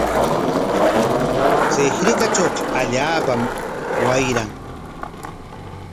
Chay hirkatrawqa allaapam wayran.